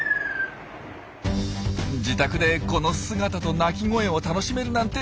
自宅でこの姿と鳴き声を楽しめるなんてすごいでしょ。